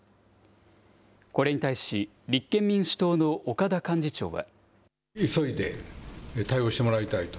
これに対し、立憲民主党の岡田幹事長は。